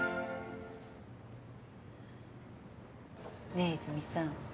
ねえ泉さん